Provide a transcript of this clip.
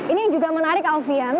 ini juga menarik alfian